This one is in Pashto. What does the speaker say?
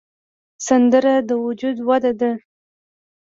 سندره د وجد وده ده